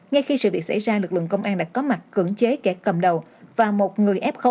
ngay khi sự việc xảy ra lực lượng công an đã có mặt cưỡng chế kẻ cầm đầu và một người f một